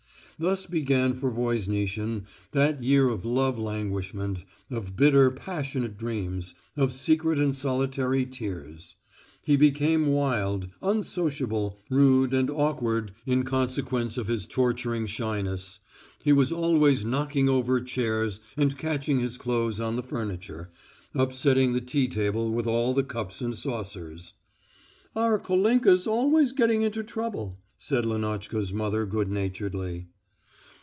Thus began for Voznitsin that year of love languishment, of bitter passionate dreams, of secret and solitary tears. He became wild, unsociable, rude and awkward in consequence of his torturing shyness; he was always knocking over chairs and catching his clothes on the furniture, upsetting the tea table with all the cups and saucers "Our Kolinka's always getting into trouble," said Lenotchka's mother good naturedly.